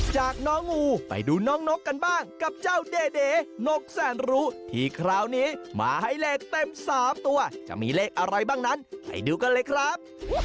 จากน้องงูไปดูน้องนกกันบ้างกับเจ้าเด่นกแสนรู้ที่คราวนี้มาให้เลขเต็ม๓ตัวจะมีเลขอะไรบ้างนั้นไปดูกันเลยครับ